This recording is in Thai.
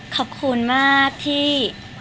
ขอบคุณมากที่